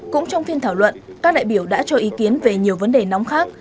cũng trong phiên thảo luận các đại biểu đã cho ý kiến về nhiều vấn đề nóng khác